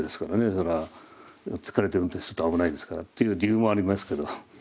それは疲れて運転すると危ないですからという理由もありますけど。